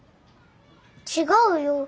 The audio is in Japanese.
違うよ！